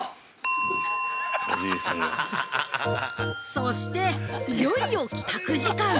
◆そして、いよいよ帰宅時間！